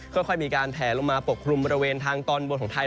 ค่อยมีการแผลลงมาปกคลุมบริเวณทางตอนบนของไทย